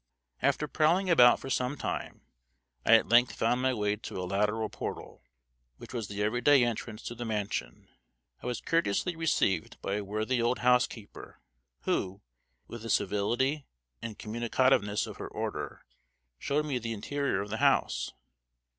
After prowling about for some time, I at length found my way to a lateral portal, which was the every day entrance to the mansion. I was courteously received by a worthy old housekeeper, who, with the civility and communicativeness of her order, showed me the interior of the house.